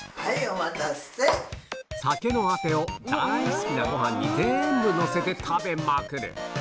酒のアテを大好きなご飯に全部のせて食べまくる